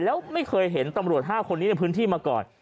แล้วไม่เคยเห็นตำรวจ๕คนนี้ในพื้นที่มาก่อน